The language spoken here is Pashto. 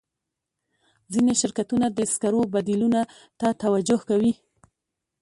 ځینې شرکتونه د سکرو بدیلونو ته توجه کوي.